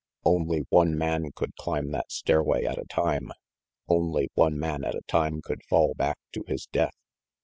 Only one man could climb that stairway at a time; only one man at a time could fall back to his death.